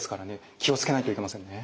気を付けないといけませんね。